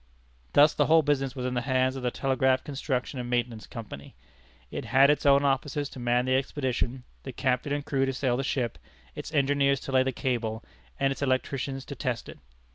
Thus the whole business was in the hands of the Telegraph Construction and Maintenance Company. It had its own officers to man the expedition the captain and crew to sail the ship its engineers to lay the cable and its electricians to test it.